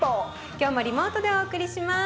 今日もリモートでお送りします。